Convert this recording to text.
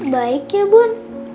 baik ya bun